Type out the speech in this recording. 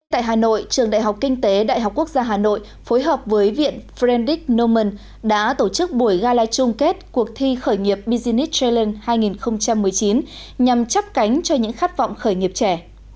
tại hà nội trường đại học kinh tế đại học quốc gia hà nội phối hợp với viện fredendic noman đã tổ chức buổi gala chung kết cuộc thi khởi nghiệp business challenge hai nghìn một mươi chín nhằm chấp cánh cho những khát vọng khởi nghiệp trẻ